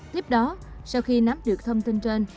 tiếp đó sau khi nắm được thông tin trên